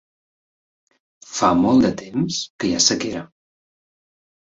Fa molt de temps que hi ha sequera.